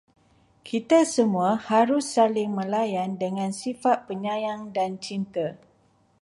Kita semua harus saling melayan dengan sifat penyayang dan cinta